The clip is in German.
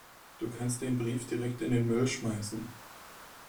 Du kannst den Brief direkt in den Müll schmeißen.